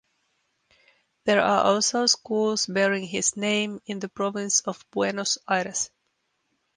There are also schools bearing his name in the Province of Buenos Aires.